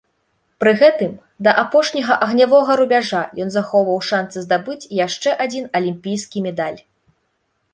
Пры гэтым, да апошняга агнявога рубяжа ён захоўваў шанцы здабыць яшчэ адзін алімпійскі медаль.